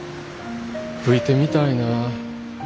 吹いてみたいなあ。